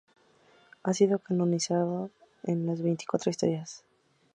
Ha sido canonizado en las "Veinticuatro historias".